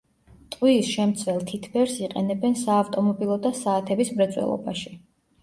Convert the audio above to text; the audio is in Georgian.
ტყვიის შემცველ თითბერს იყენებენ საავტომობილო და საათების მრეწველობაში.